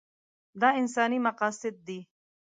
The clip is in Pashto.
دا انساني مقاصد ده.